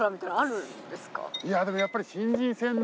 いやでもやっぱり新人戦